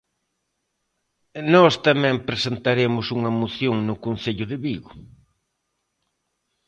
Nós tamén presentaremos unha moción no Concello de Vigo.